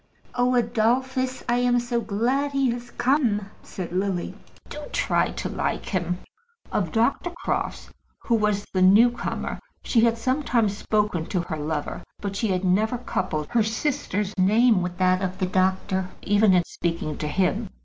"Oh, Adolphus, I am so glad he has come," said Lily. "Do try to like him." Of Dr. Crofts, who was the new comer, she had sometimes spoken to her lover, but she had never coupled her sister's name with that of the doctor, even in speaking to him.